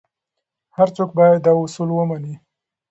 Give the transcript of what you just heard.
هر څوک باید دا اصول ومني.